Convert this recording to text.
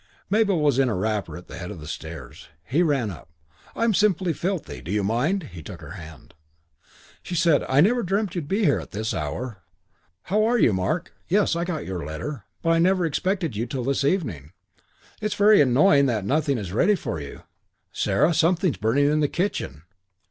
Mabel was in a wrapper at the head of the stairs. He ran up. "I'm simply filthy. Do you mind?" He took her hand. She said, "I never dreamt you'd be here at this hour. How are you, Mark? Yes, I got your letter. But I never expected you till this evening. It's very annoying that nothing is ready for you. Sarah, something is burning in the kitchen.